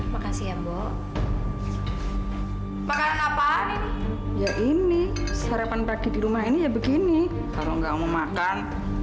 makasih ya bu makan apa ya ini sarapan pagi di rumah ini ya begini kalau nggak mau makan